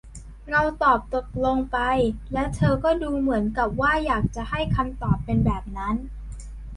เราตอบตกลงไป และเธอก็ดูเหมือนกับว่าอยากจะให้คำตอบเป็นแบบนั้น